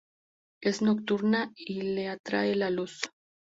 Es nocturna, y le atrae la luz.